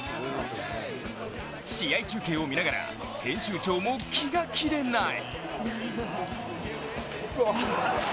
試合中継を見ながら編集長も気が気でない。